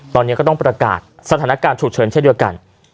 ตอนนี้ก็ต้องประกาศสถานการณ์ฉุกเฉินเช่นเดียวกัน